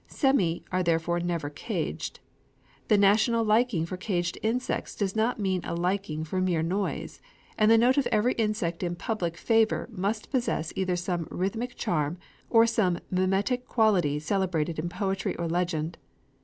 Semi are therefore never caged. The national liking for caged insects does not mean a liking for mere noise; and the note of every insect in public favor must possess either some rhythmic charm, or some mimetic quality celebrated in poetry or legend.